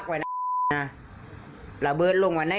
โจทย์กับกว้าย